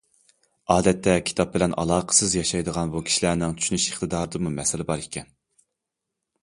ئادەتتە كىتاب بىلەن ئالاقىسىز ياشايدىغان بۇ كىشىلەرنىڭ چۈشىنىش ئىقتىدارىدىمۇ مەسىلە بار ئىكەن.